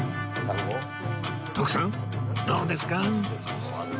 徳さんどうですか？